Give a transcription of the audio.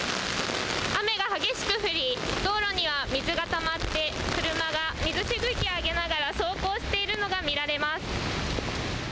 雨が激しく降り道路には水がたまって車が水しぶきを上げながら走行しているのが見られます。